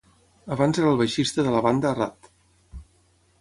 Abans era el baixista de la banda Ratt.